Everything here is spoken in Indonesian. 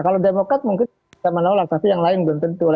kalau demokrat mungkin bisa menolak tapi yang lain belum tentu ada